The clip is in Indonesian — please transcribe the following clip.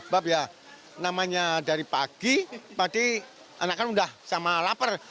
bab ya namanya dari pagi tadi anak kan udah sama lapar